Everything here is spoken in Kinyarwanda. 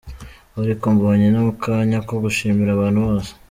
Ariko mbonye n’akanya ko gushimira abantu bose.